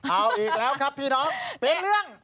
เอาอีกแล้วครับพี่น้องเป็นเรื่อง